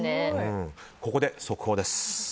ここで速報です。